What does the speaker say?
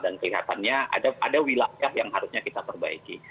dan kelihatannya ada wilayah yang harusnya kita perbaiki